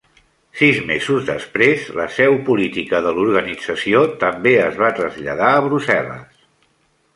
Sis mesos després, la seu política de l'organització també es va traslladar a Brussel·les.